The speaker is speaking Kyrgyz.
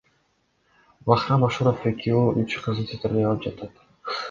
Бахрам Ашуров эки уул, үч кызды тарбиялап жатат.